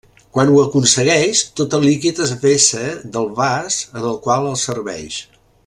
Quan ho aconsegueix, tot el líquid es vessa del vas en el qual el serveix.